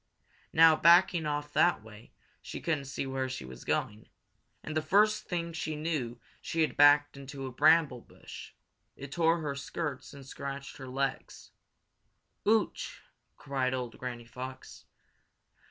Now, backing off that way, she couldn't see where she was going, and the first thing she knew she had backed into a bramble bush. It tore her skirts and scratched her legs. "Ooch!" cried old Granny Fox.